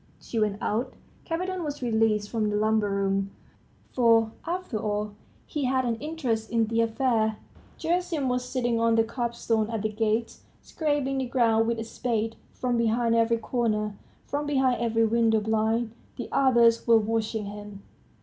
She went out. Kapiton was released from the lumber room; for, after all, he had an interest in the affair. Gerasim was sitting on the curbstone at the gates, scraping the ground with a spade. ... From behind every corner, from behind every window blind, the others were watching him.